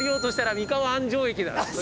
三河安城駅だった。